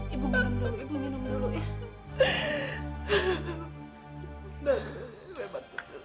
ibu minum dulu ya